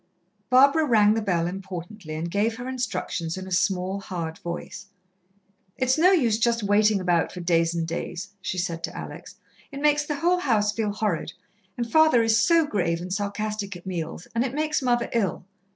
Barbara rang the bell importantly and gave her instructions in a small, hard voice. "It's no use just waiting about for days and days," she said to Alex. "It makes the whole house feel horrid, and father is so grave and sarcastic at meals, and it makes mother ill.